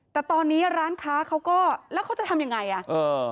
แต่ตอนนี้ร้านค้าเขาก็แล้วเขาจะทำยังไงอ่ะเออ